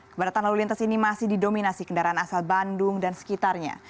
kepadatan lalu lintas ini masih didominasi kendaraan asal bandung dan sekitarnya